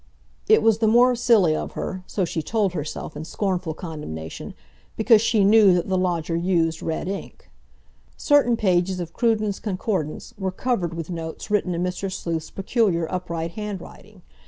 It was the more silly of her—so she told herself in scornful condemnation—because she knew that the lodger used red ink. Certain pages of Cruden's Concordance were covered with notes written in Mr. Sleuth's peculiar upright handwriting.